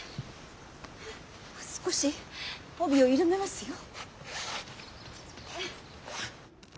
少し帯を緩めますよ。